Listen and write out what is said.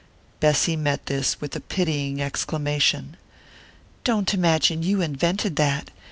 Bessy met this with a pitying exclamation. "Don't imagine you invented that!